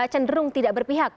cenderung tidak berpihak